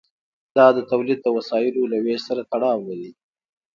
دا د تولید د وسایلو له ویش سره تړاو لري.